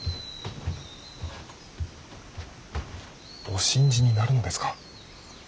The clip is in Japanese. お信じになるのですか。